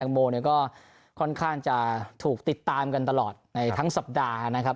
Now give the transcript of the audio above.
โมเนี่ยก็ค่อนข้างจะถูกติดตามกันตลอดในทั้งสัปดาห์นะครับ